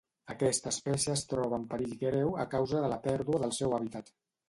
Aquesta espècie es troba en perill greu a causa de la pèrdua del seu hàbitat.